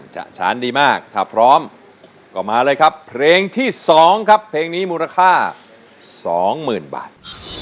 ฉานดีมากถ้าพร้อมก็มาเลยครับเพลงที่๒ครับเพลงนี้มูลค่า๒๐๐๐บาท